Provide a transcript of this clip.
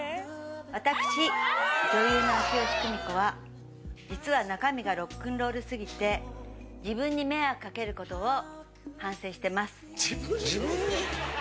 私、女優の秋吉久美子は、実は中身がロックンロールすぎて、自分に迷惑かけることを反省して自分に？